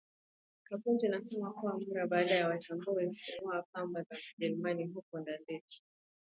Kapunju nasema kuwa mara baada ya Wamatumbi kungoa pamba ya wajerumani huko Nandete